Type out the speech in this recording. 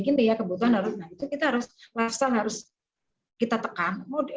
kebutuhan harus kita tekan